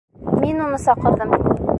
Мин уны саҡырҙым.